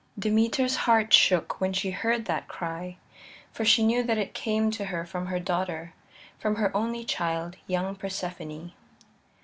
Demeter's heart shook when she heard that cry, for she knew that it came to her from her daughter, from her only child, young Persephone.